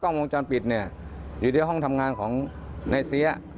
กล้องวงจรปิดอยู่ในห้องทำงานของนายเซี๊ย